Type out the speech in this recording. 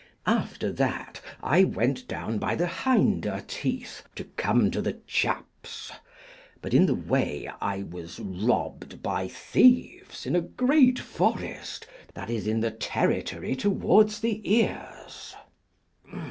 After that I went down by the hinder teeth to come to the chaps. But in the way I was robbed by thieves in a great forest that is in the territory towards the ears.